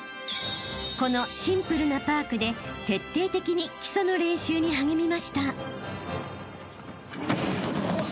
［このシンプルなパークで徹底的に基礎の練習に励みました］